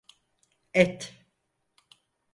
Et…